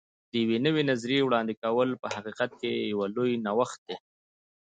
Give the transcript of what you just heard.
د یوې نوې نظریې وړاندې کول په حقیقت کې یو لوی نوښت دی.